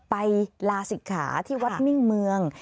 ลาศิกขาที่วัดมิ่งเมือง